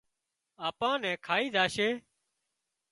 آپان نين کائي زاشي